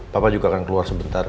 papa juga akan keluar sebentar